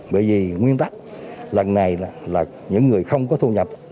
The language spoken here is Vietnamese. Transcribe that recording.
bởi vì nguyên tắc lần này là những người không có thu nhập